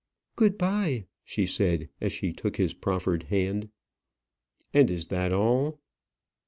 "Good bye," she said, as she took his proffered hand. "And is that all?"